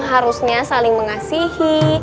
harusnya saling mengasihi